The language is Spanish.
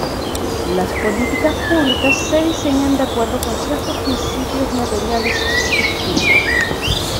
Las políticas públicas se diseñan de acuerdo con ciertos principios materiales de justicia.